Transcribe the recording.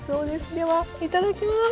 ではいただきます。